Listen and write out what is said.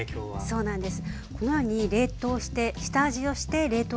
そうなんです。